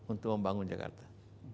untuk membangun jakarta